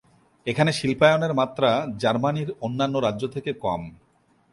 এখানে শিল্পায়নের মাত্রা জার্মানির অন্যান্য রাজ্য থেকে কম।